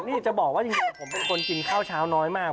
นี่จะบอกว่าจริงผมเป็นคนกินข้าวเช้าน้อยมาก